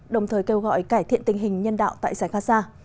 đồng thời kêu gọi cải thiện tình hình nhân đạo tại giải gaza